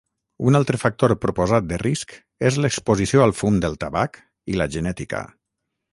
Un altre factor proposat de risc és l'exposició al fum del tabac i la genètica.